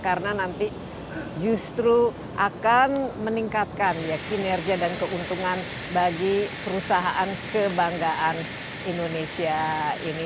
karena nanti justru akan meningkatkan ya kinerja dan keuntungan bagi perusahaan kebanggaan indonesia ini